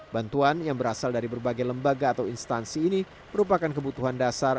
bantuan yang berasal dari berbagai lembaga atau instansi ini merupakan kebutuhan dasar